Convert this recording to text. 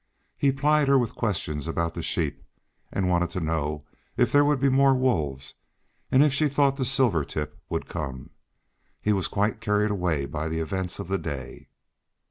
He plied her with questions about the sheep, and wanted to know if there would be more wolves, and if she thought the "silvertip" would come. He was quite carried away by the events of the day.